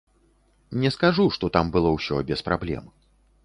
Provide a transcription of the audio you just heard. Не скажу, што там было ўсё без праблем.